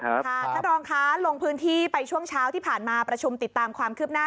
ท่านรองคะลงพื้นที่ไปช่วงเช้าที่ผ่านมาประชุมติดตามความคืบหน้า